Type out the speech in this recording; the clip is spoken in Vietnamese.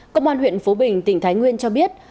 công an huyện phú bình tỉnh thái nguyên cho biết